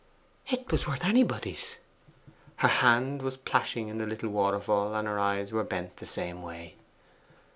'It was worth anybody's!' Her hand was plashing in the little waterfall, and her eyes were bent the same way.